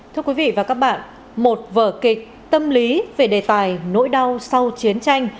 thưa quý vị và các bạn một vở kịch tâm lý về đề tài nỗi đau sau chiến tranh